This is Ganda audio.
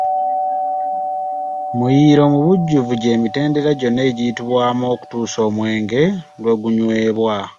Muyiiro mu bujjuvu gy’emitendera gyonna egiyitibwamu okutuusa omwenge lwe gunywebwa.